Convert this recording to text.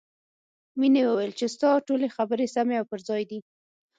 مینې وویل چې ستا ټولې خبرې سمې او پر ځای دي